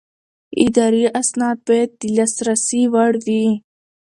اداري اسناد باید د لاسرسي وړ وي.